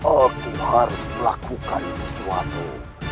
aku harus melakukan sesuatu